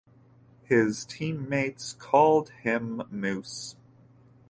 His teammates called him Moose.